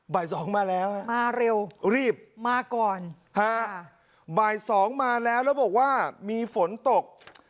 บ่ายสองมาแล้วฮะมาเร็วรีบมาก่อนฮะบ่ายสองมาแล้วแล้วบอกว่ามีฝนตก